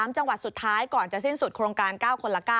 จังหวัดสุดท้ายก่อนจะสิ้นสุดโครงการ๙คนละ๙